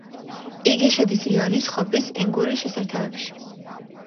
იგი შედის რიონის, ხობის, ენგურის შესართავებში.